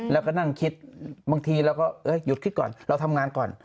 แล้วก็นั่งคิดบางทีเราก็หยุดคิดก่อนเราทำงานก่อน